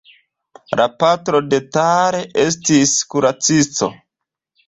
La patro de Tal estis kuracisto.